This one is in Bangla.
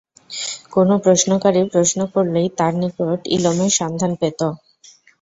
কোন প্রশ্নকারী প্রশ্ন করলেই তাঁর নিকট ইলমের সন্ধান পেত।